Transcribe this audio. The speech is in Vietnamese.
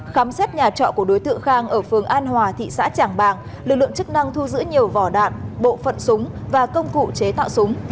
khám xét nhà trọ của đối tượng khang ở phường an hòa thị xã trảng bàng lực lượng chức năng thu giữ nhiều vỏ đạn bộ phận súng và công cụ chế tạo súng